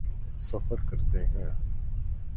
سفر کرتے ہیں۔